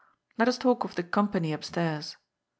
Let us talk of the company upstairs.